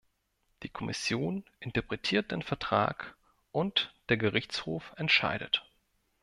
Die Kommission interpretiert den Vertrag und der Gerichtshof entscheidet.